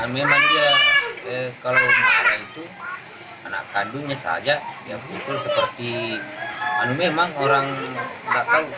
memang dia kalau marah itu anak kandungnya saja yang putus seperti anu memang orang enggak tahu